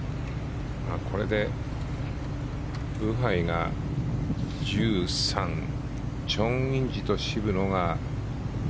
これでブハイが１３チョン・インジと渋野が１０。